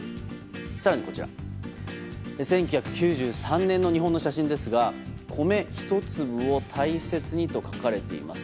更に１９９３年の日本の写真ですが米一粒を大切にと書かれています。